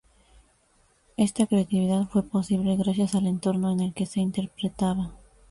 Esta creatividad fue posible gracias al entorno en el que se interpretaba.